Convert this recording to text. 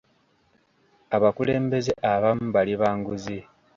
Abakulembeze abamu bali ba nguzi.